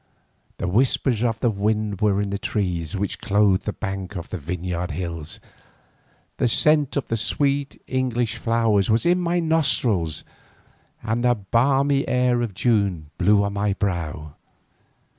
The whispers of the wind were in the trees which clothe the bank of the Vineyard Hills, the scent of the sweet English flowers was in my nostrils and the balmy air of June blew on my brow.